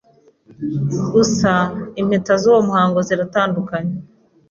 Gusa, impeta z’uwo muhango ziratandukanye